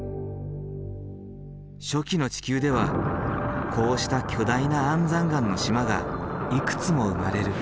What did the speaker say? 初期の地球ではこうした巨大な安山岩の島がいくつも生まれる。